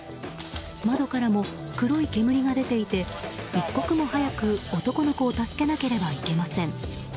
窓からも黒い煙が出ていて一刻も早く男の子を助けなければいけません。